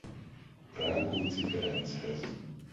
Rákóczi Ferenchez.